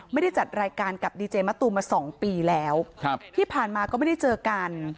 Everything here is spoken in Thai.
ไม่ได้จัดรายการกับดีเจมะตูมมาสองปีแล้วที่ผ่านมาก็ไม่ได้เจอกัน